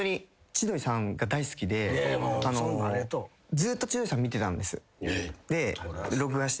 ずーっと千鳥さん見てたんです録画して。